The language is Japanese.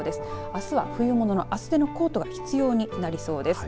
あすは冬物の厚手のコートが必要になりそうです。